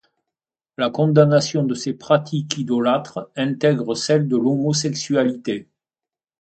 La condamnation de ces pratiques idolâtres intègre celle de l'homosexualité.